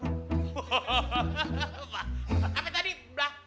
pak apa tadi blason